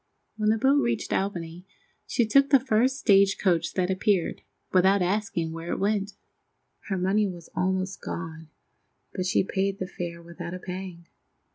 When the boat reached Albany she took the first stagecoach that appeared, without asking where it went. Her money was almost gone, but she paid the fare without a pang.